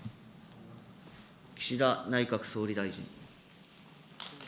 岸田内閣総理大臣。